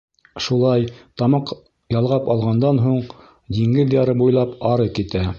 Шулай тамаҡ ялғап алғандан һуң, диңгеҙ яры буйлап ары китә.